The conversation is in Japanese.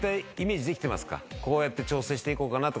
こうやって調整していこうかなとか。